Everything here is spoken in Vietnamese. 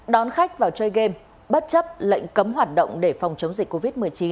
đón khách vào chơi game bất chấp lệnh cấm hoạt động để phòng chống dịch covid một mươi chín